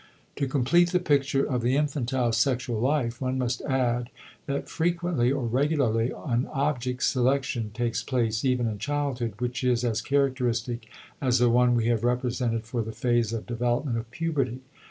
To complete the picture of the infantile sexual life one must add that frequently or regularly an object selection takes place even in childhood which is as characteristic as the one we have represented for the phase of development of puberty.